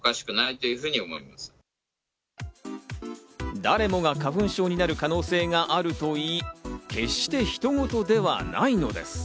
誰もが花粉症になる可能性があるといい、決して他人事ではないのです。